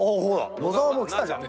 もう来たじゃん。